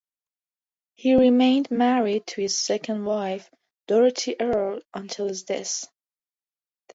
He remained married to his second wife, Dorothea Earle, until his death.